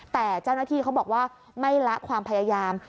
แต่เจ้าหน้าที่เขาบอกว่าไม่ละความพยายาม